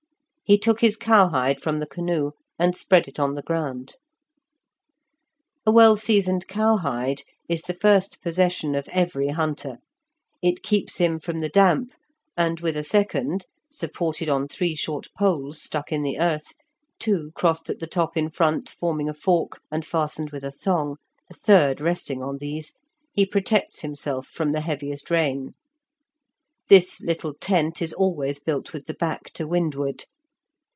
He took his cowhide from the canoe and spread it on the ground. A well seasoned cowhide is the first possession of every hunter; it keeps him from the damp; and with a second, supported on three short poles stuck in the earth (two crossed at the top in front, forming a fork, and fastened with a thong, the third resting on these), he protects himself from the heaviest rain. This little tent is always built with the back to windward.